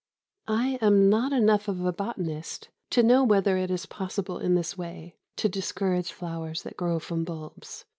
I am not enough of a botanist to know whether it is possible in this way to discourage flowers that grow from bulbs.